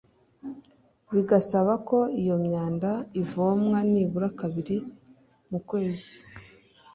bigasaba ko iyo myanda ivomwa nibura kabiri mu kwezi